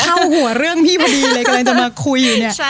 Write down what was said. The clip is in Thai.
เข้าหัวเรื่องพี่พอดีเลยกำลังจะมาคุย